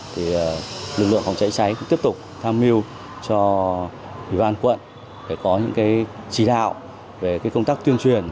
thì lực lượng phòng cháy cháy tiếp tục tham mưu cho ủy ban quận để có những cái chỉ đạo về cái công tác tuyên truyền